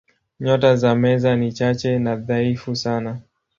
Nyota za Meza ni chache na dhaifu sana.